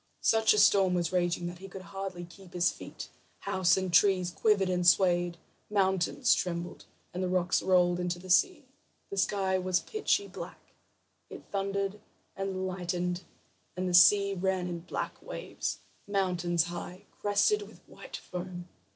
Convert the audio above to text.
Such a storm was raging that he could hardly keep his feet; houses and trees quivered and swayed, mountains trembled, and the rocks rolled into the sea. The sky was pitchy black; it thundered and lightened, and the sea ran in black waves, mountains high, crested with white foam.